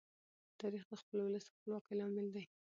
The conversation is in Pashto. تاریخ د خپل ولس د خپلواکۍ لامل دی.